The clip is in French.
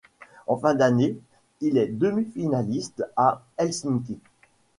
En fin d'année, il est demi-finaliste à Helsinki.